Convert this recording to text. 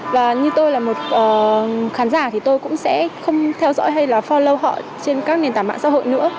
và như tôi là một khán giả thì tôi cũng sẽ không theo dõi hay là for lau họ trên các nền tảng mạng xã hội nữa